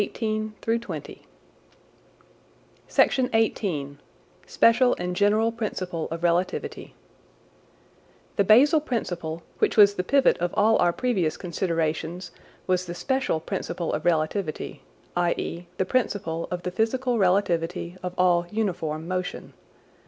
PART II THE GENERAL THEORY OF RELATIVITY SPECIAL AND GENERAL PRINCIPLE OF RELATIVITY The basal principle, which was the pivot of all our previous considerations, was the special principle of relativity, i.e. the principle of the physical relativity of all uniform motion.